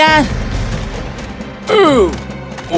tidak tidak tinggalkan aku